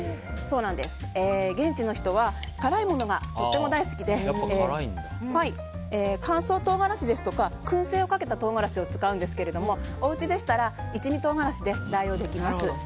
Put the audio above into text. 現地の人は辛いものがとても大好きで乾燥唐辛子ですとか燻製をかけた唐辛子を使うんですがおうちでしたら一味唐辛子で代用できます。